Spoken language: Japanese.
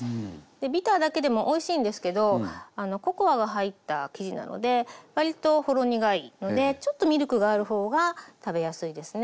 ビターだけでもおいしいんですけどココアが入った生地なので割とほろ苦いのでちょっとミルクがある方が食べやすいですね。